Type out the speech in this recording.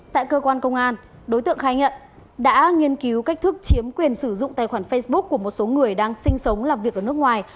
tại cơ quan công an đối tượng khai nhận đã nghiên cứu cách thức chiếm quyền sử dụng tài khoản facebook của một số người đang sinh sống làm việc ở nước ngoài